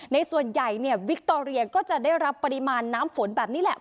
ส่วนใหญ่เนี่ยวิคโตเรียก็จะได้รับปริมาณน้ำฝนแบบนี้แหละ